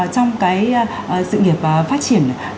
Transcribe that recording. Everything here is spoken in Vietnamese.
trong sự nghiệp phát triển